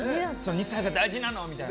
２歳が大事なの！みたいな。